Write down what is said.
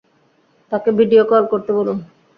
তাকে ভিডিও-কল করতে বলুন!